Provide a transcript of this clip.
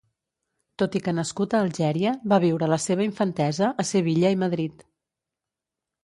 Tot i que nascut a Algèria, va viure la seva infantesa a Sevilla i Madrid.